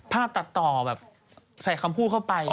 ตัดต่อแบบใส่คำพูดเข้าไป